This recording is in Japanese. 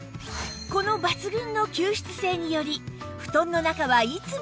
この抜群の吸湿性により布団の中はいつも快適